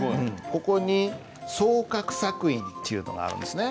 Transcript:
ここに総画索引っていうのがあるんですね。